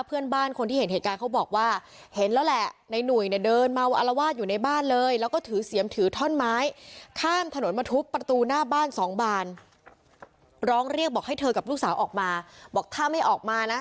เพื่อนบ้านคนที่เห็นเหตุการณ์เขาบอกว่า